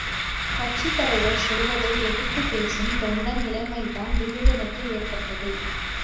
கட்சித் தலைவர் சொல்வதை எதிர்த்துப் பேசும் தொண்டன் நிலைமைதான் விதுரனுக்கு ஏற்பட்டது.